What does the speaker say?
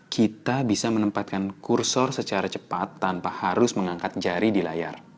kita bisa menempatkan kursor secara cepat tanpa harus mengangkat jari di layar